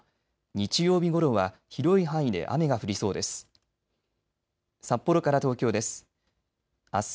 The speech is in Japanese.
日曜日ごろは広い範囲で雨が降りそうです。